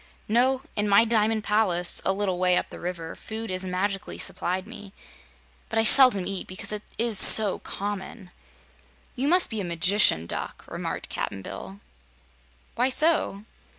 "No. In my diamond palace, a little way up the river, food is magically supplied me; but I seldom eat, because it is so common." "You must be a Magician Duck," remarked Cap'n Bill. "Why so?"